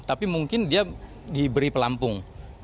tapi mungkin dia diberi pelampung